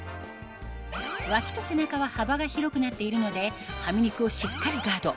脇と背中は幅が広くなっているのでハミ肉をしっかりガード